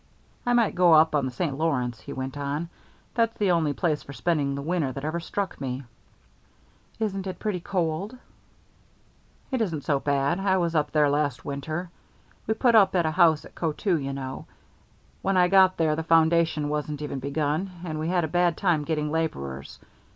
"I might go up on the St. Lawrence," he went on. "That's the only place for spending the winter that ever struck me." "Isn't it pretty cold?" "It ain't so bad. I was up there last winter. We put up at a house at Coteau, you know. When I got there the foundation wasn't even begun, and we had a bad time getting laborers.